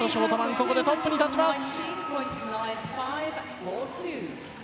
ここでトップに立ちます。